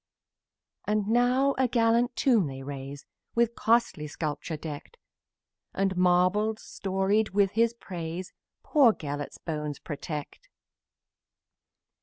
And now a gallant tomb they raise, With costly sculpture decked, And marbles, storied with his praise, Poor Gelert's bones protect.